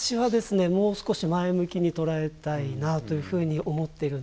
もう少し前向きに捉えたいなというふうに思っているんです。